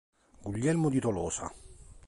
Guglielmo di Tolosa